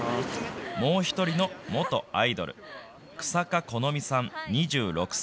もう１人の元アイドル、日下このみさん２６歳。